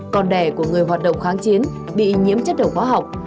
con đẻ của người hoạt động kháng chiến bị nhiễm chất độc khoa học